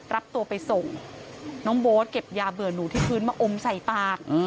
รับตัวไปส่งน้องโบ๊ทเก็บยาเบื่อหนูที่พื้นมาอมใส่ปาก